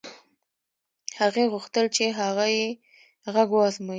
هغې غوښتل چې هغه يې غږ و ازمايي.